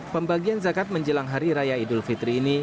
pembagian zakat menjelang hari raya idul fitri ini